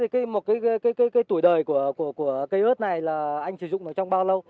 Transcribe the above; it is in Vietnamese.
thế thì cái tuổi đời của cây ớt này là anh sử dụng nó trong bao lâu